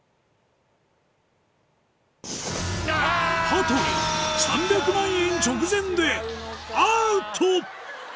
羽鳥３００万円直前でアウト！